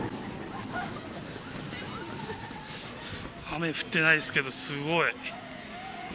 雨降ってないですけどすごい。